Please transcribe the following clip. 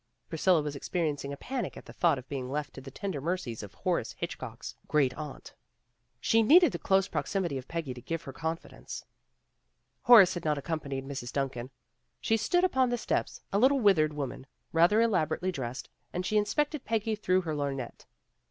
Priscilla was experiencing a panic at the thought of being left to the tender mercies of Horace Hitchcock's great aunt. She needed the close proximity of Peggy to give her con fidence. 150 PEGGY RAYMOND'S WAY Horace had not accompanied Mrs. Duncan. She stood upon the steps, a little withered woman, rather elaborately dressed, and she inspected Peggy through her lorgnette.